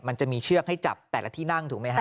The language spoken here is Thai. มันจะมีเชือกให้จับแต่ละที่นั่งถูกไหมฮะ